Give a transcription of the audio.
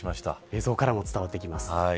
映像からも伝わってきます。